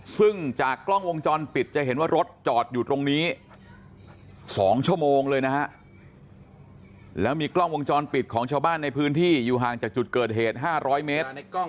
ซึ่งจากกล้องวงจรปิดจะเห็นว่ารถจอดอยู่ตรงนี้๒ชั่วโมงเลยนะฮะแล้วมีกล้องวงจรปิดของชาวบ้านในพื้นที่อยู่ห่างจากจุดเกิดเหตุ๕๐๐เมตร